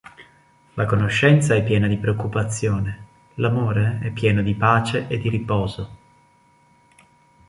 La conoscenza è piena di preoccupazione, l'amore è pieno di pace e di riposo.